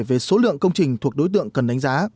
về số lượng công trình thuộc đối tượng cần đánh giá